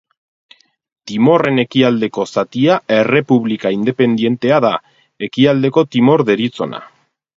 Timorren ekialdeko zatia errepublika independentea da, Ekialdeko Timor deritzona.